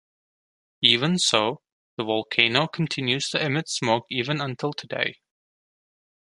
Even so, the volcano continues to emit smoke even until today.